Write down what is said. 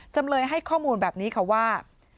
จำเลยให้ข้อมูลแบบนี้ค่ะว่า